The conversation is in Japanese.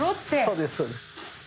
そうですそうです。